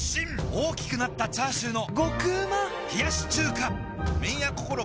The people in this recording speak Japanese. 大きくなったチャーシューの麺屋こころ